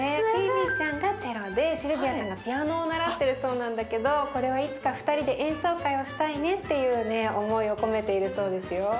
フィービーちゃんがチェロでシルビアさんがピアノを習ってるそうなんだけどこれはいつか２人で演奏会をしたいねっていうね思いを込めているそうですよ。